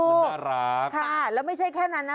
น่ารักค่ะแล้วไม่ใช่แค่นั้นนะ